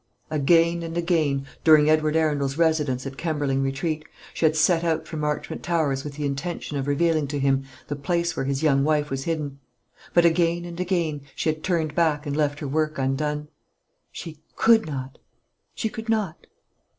Again and again, during Edward Arundel's residence at Kemberling Retreat, she had set out from Marchmont Towers with the intention of revealing to him the place where his young wife was hidden; but, again and again, she had turned back and left her work undone. She could not she could not.